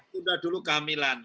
menunda dulu kehamilan